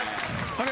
あれ？